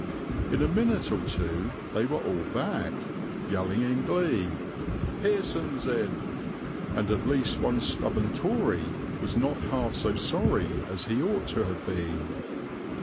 In a minute or two they were all back, yelling in glee, "Pearson's in!" and at least one stubborn Tory was not half so sorry as he ought to have been.